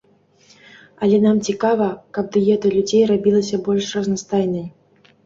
Але нам цікава, каб дыета людзей рабілася больш разнастайнай.